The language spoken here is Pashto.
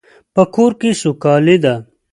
په کور کې سوکالی ده